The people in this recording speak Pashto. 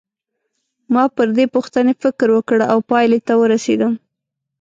ما پر دې پوښتنې فکر وکړ او پایلې ته ورسېدم.